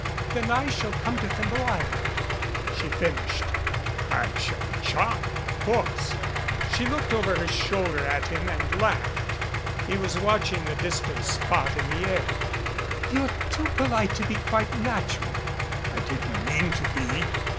"Then I shall come to Thimble Island," she finished. "I shall be charmed, of course." She looked over her shoulder at him and laughed. He was watching the distant spot in the air. "You're too polite to be quite natural." "I didn't mean to be."